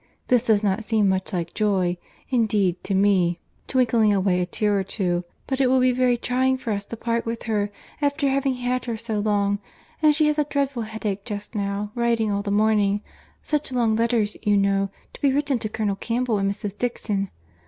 This does not seem much like joy, indeed, in me—(twinkling away a tear or two)—but it will be very trying for us to part with her, after having had her so long, and she has a dreadful headache just now, writing all the morning:—such long letters, you know, to be written to Colonel Campbell, and Mrs. Dixon.